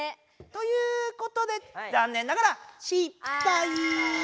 ということでざんねんながら失敗。